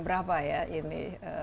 berapa ya ini